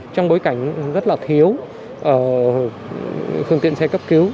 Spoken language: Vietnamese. trong bối cảnh rất là thiếu phương tiện xe cấp cứu